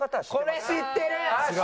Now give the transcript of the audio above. これ知ってる！